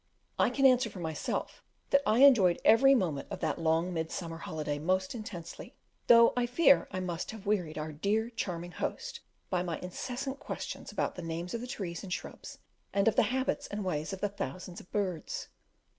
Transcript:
I can answer for myself that I enjoyed every moment of that long Midsummer holiday most intensely, though I fear I must have wearied our dear, charming host, by my incessant questions about the names of the trees and shrubs, and of the habits and ways of the thousands of birds.